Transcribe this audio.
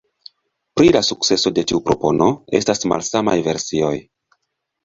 Pri la sukceso de tiu propono estas malsamaj versioj.